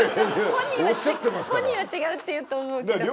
本人は「違う」って言うと思うけど。